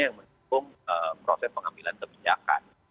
yang mendukung proses pengambilan kebijakan